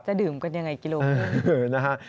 จะดื่มกันอย่างไรกิโลครึ่ง